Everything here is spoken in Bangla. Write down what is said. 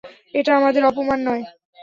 এটা আমাদের অপমান নয়?